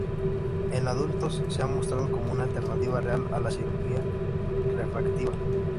En adultos se ha mostrado como una alternativa real a la cirugía refractiva.